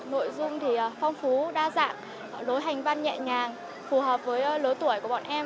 nội dung thì phong phú đa dạng lối hành văn nhẹ nhàng phù hợp với lứa tuổi của bọn em